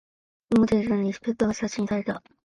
新モデルとなりスペックが刷新された